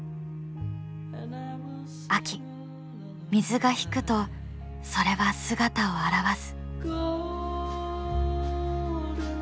秋水が引くとそれは姿を現す。